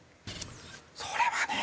それはね